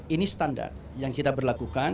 ini standar yang kita berlakukan